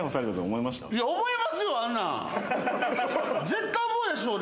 絶対思うでしょ。